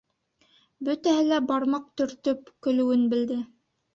Бөтәһе лә бармаҡ гөртөп көлөүен белде.